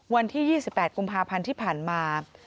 วันที่๒๘กุมภาพันธ์ที่ผ่านมา